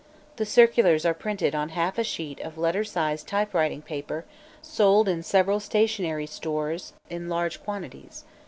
The circulars are printed on half a sheet of letter size typewriting paper, sold in several stationery store in large quantities.